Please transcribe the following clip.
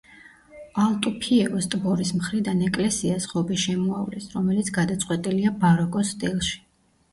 ალტუფიევოს ტბორის მხრიდან ეკლესიას ღობე შემოავლეს, რომელიც გადაწყვეტილია ბაროკოს სტილში.